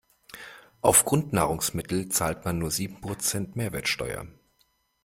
Auf Grundnahrungsmittel zahlt man nur sieben Prozent Mehrwertsteuer.